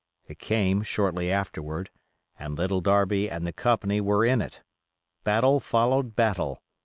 It came shortly afterward, and Little Darby and the company were in it. Battle followed battle.